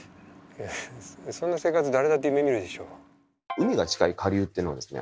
海が近い「下流」っていうのはですね